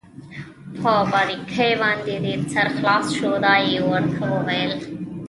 په باریکۍ باندې دې سر خلاص شو؟ دا يې ورته وویل.